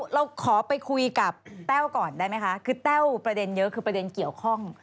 เราขอไปคุยกับแต้วก่อนได้ไหมคะคือแต้วประเด็นเยอะคือประเด็นเกี่ยวข้อง